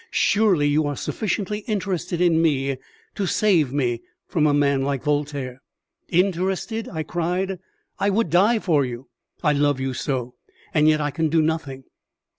"Surely you are sufficiently interested in me to save me from a man like Voltaire?" "Interested?" I cried. "I would die for you, I love you so. And yet I can do nothing."